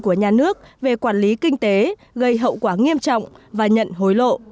quy định của nhà nước về quản lý kinh tế gây hậu quả nghiêm trọng và nhận hối lộ